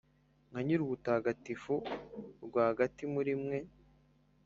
nkaba Nyir’ubutagatifu rwagati muri mwe,